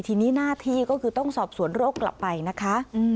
ทีนี้หน้าที่ก็คือต้องสอบสวนโรคกลับไปนะคะ